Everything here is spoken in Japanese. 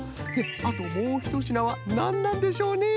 あともうひとしなはなんなんでしょうね。